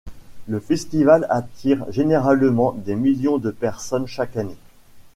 Le festival attire généralement un million de personnes chaque année.